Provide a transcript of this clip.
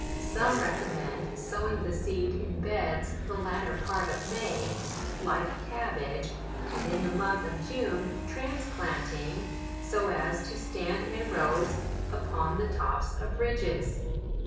Some recommend sowing the seed in beds the latter part of May, like cabbage, and in the month of June transplant ing, so as to stand in rows upon the tops of ridges.